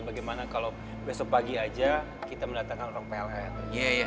bagaimana kalau besok pagi saja kita mendatangkan orang plh